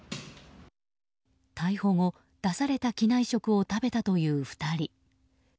逮捕後、出された機内食を食べたという２人。